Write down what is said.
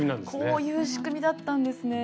こういう仕組みだったんですね。